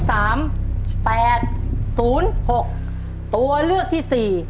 ตัวเลือกที่๔๘๘๐